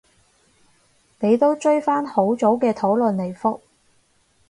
你都追返好早嘅討論嚟覆